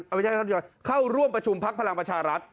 ไม่ใช่สำกัญเข้าร่วมประชุมภักดิ์พลังประชารัฐ